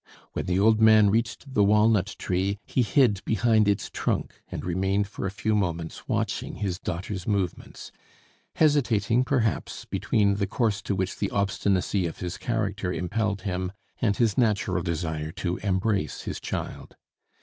When the old man reached the walnut tree he hid behind its trunk and remained for a few moments watching his daughter's movements, hesitating, perhaps, between the course to which the obstinacy of his character impelled him and his natural desire to embrace his child.